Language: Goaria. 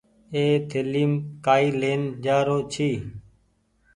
اي ٿليم ڪآئي لين جآرو ڇي۔